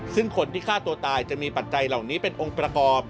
ซึ่งคนที่ฆ่าตัวตายจะมีปัจจัยเหล่านี้เป็นองค์ประกอบ